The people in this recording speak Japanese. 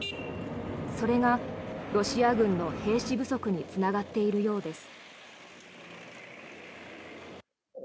それがロシア軍の兵士不足につながっているようです。